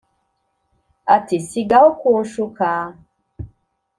ati sigaho kunshuka